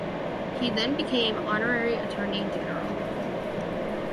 He then became Honorary Attorney General.